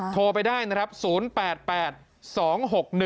โทรไปได้นะครับ๐๘๘๒๖๑๒๗๑๔ไม่เห็น